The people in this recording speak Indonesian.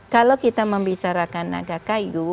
kalau kita membicarakan naga kayu